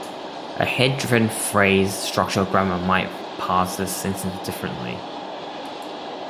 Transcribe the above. A head-driven phrase structure grammar might parse this sentence differently.